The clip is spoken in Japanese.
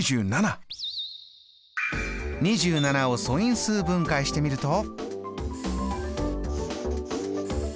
２７を素因数分解してみると。